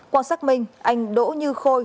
quang sắc minh anh đỗ như khôi